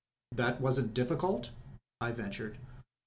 "That wasn't difficult?" I ventured.